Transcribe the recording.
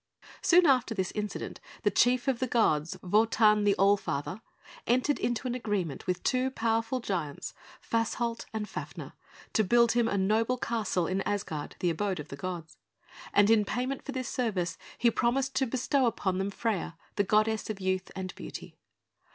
Soon after this incident, the chief of the gods, Wotan, the All Father, entered into an agreement with two powerful giants, Fasolt and Fafner, to build him a noble castle in Asgard, the abode of the gods; and in payment for this service, he promised to bestow upon them Freia, the goddess of Youth and Beauty.